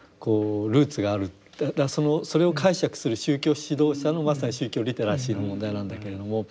それを解釈する宗教指導者のまさに宗教リテラシーの問題なんだけれども。